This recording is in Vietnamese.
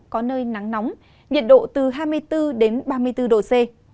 có nơi nắng nóng nhiệt độ từ hai mươi bốn đến ba mươi bốn độ c